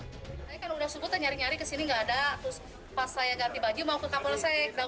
saya kan sudah sebutan nyari nyari kesini nggak ada terus pas saya ganti baju mau ke kapolsek